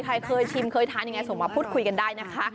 ใครเคยชิมเคยทานยังไงส่งมาพูดคุยกันได้นะคะ